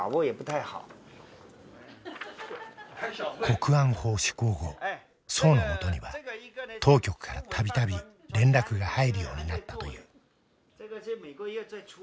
国安法施行後曽のもとには当局から度々連絡が入るようになったという。